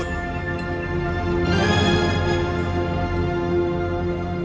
dan jangan ini dikawal